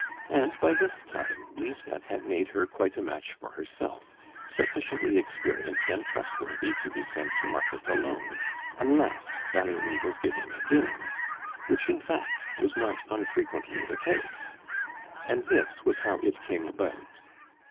And by this time Lisbeth had made her quite a match for herself, sufficiently experienced and trustworthy to be sent to market alone, unless Valerie was giving a dinner which, in fact, was not unfrequently the case. And this was how it came about.